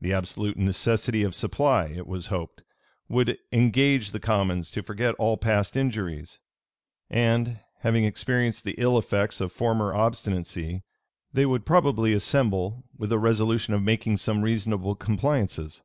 The absolute necessity of supply, it was hoped, would engage the commons to forget all past injuries; and, having experienced the ill effects of former obstinacy, they would probably assemble with a resolution of making some reasonable compliances.